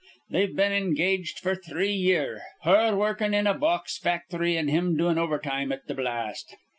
They've been engaged f'r three year, her wurrkin' in a box facthry an' him doin' overtime at th' blast.